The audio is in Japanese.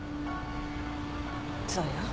そうよ。